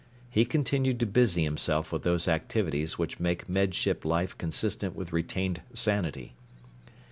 He continued to busy himself with those activities which make Med Ship life consistent with retained sanity.